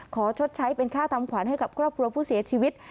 ชดใช้เป็นค่าทำขวัญให้กับครอบครัวผู้เสียชีวิต